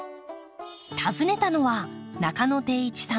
訪ねたのは中野貞一さん